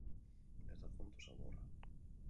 Ez da kontu xamurra.